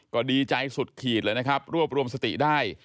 ก็ดีใจสุดขีดเลยนะครับรวบรวมสติได้